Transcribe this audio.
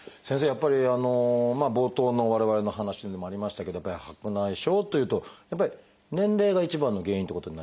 やっぱり冒頭の我々の話にもありましたけど白内障というとやっぱり年齢が一番の原因ということになりますか？